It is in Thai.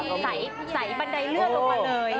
ใสบันไดเลื่อนลงมาเลย